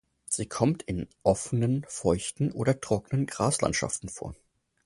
Sie kommt in offenen feuchten oder trockenen Graslandschaften vor.